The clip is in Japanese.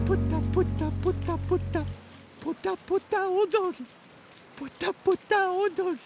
ポタポタおどり。